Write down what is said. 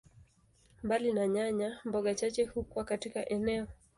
Mbali na nyanya, mboga chache hukua katika eneo.